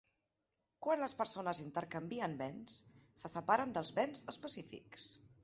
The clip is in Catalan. Quan les persones intercanvien béns, se separen dels béns específics.